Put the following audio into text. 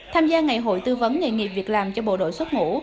tham gia ngày hội tư vấn nghề nghiệp việc làm cho bộ đội xuất ngũ